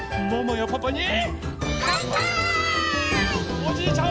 おじいちゃん